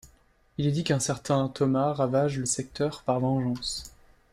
Il est dit qu'un certain Thomas ravage le secteur par vengeance.